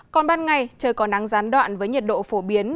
còn ban ngày trời có nắng gián đoạn với nhiệt độ phổ biến